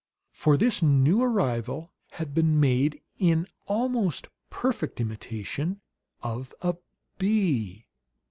For this new arrival had been made in almost perfect imitation of a bee!